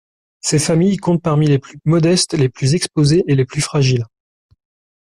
Ces familles comptent parmi les plus modestes, les plus exposées et les plus fragiles.